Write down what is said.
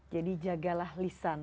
jadi jagalah lisan